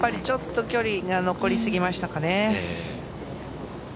ちょっと距離が残りすぎましたかね。